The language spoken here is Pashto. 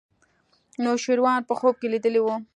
نوشیروان په خوب کې لیدلی و.